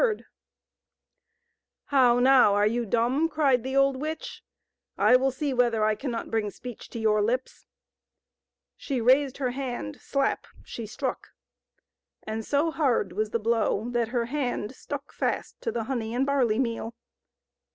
240 THE SWAN MAIDEN. " How now ! are you dumb?" cried the old witch; " I will see whether I cannot bring speech to your lips." She raised her hand — slap! — she struck, and so hard was the blow that her hand stuck fast to the honey and barley meal.